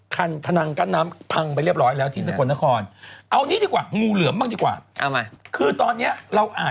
กั้นน้ำบ้างไว้เรียบร้อยแล้วที่สกนคร